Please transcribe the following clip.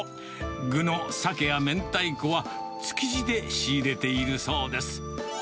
具のサケや明太子は、築地で仕入れているそうです。